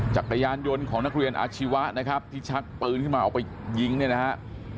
จักรยานยนต์ของนักเรียนอาชีวะนะครับที่ชักปืนขึ้นมาออกไปยิงเนี่ยนะฮะ